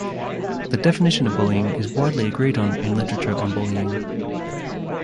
The definition of bullying is widely agreed on in literature on bullying.